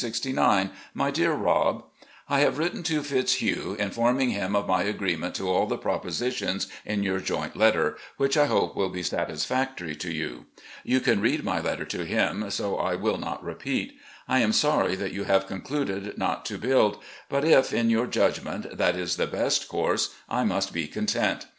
" My Dear Rob: I have written to Fitzhugh, informing him of my agreement to aU the propositions in your joint letter, which I hope will be satisfactory to you. You can read my letter to him, so I will not repeat. I am sorry that you have concluded not to build, but if, in your judgment, that is the best course, I must be content.